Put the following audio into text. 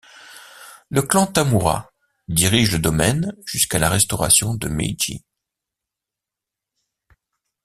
Le clan Tamura dirige le domaine jusqu'à la restauration de Meiji.